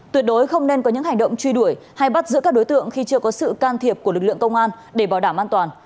tuyệt đối không nên có những hành động truy đuổi hay bắt giữ các đối tượng khi chưa có sự can thiệp của lực lượng công an để bảo đảm an toàn